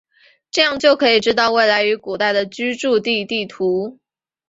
这样就可知道未来与古代的居住地地图。